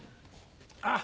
あっ